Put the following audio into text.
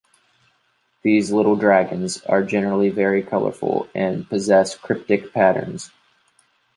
These "little dragons" are generally very colorful and possess cryptic patterns.